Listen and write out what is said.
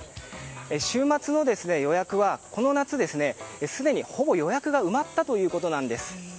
週末の予約はこの夏、すでにほぼ予約が埋まったということなんです。